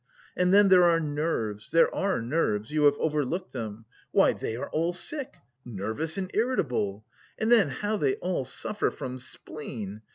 And then there are nerves, there are nerves, you have overlooked them! Why, they are all sick, nervous and irritable!... And then how they all suffer from spleen!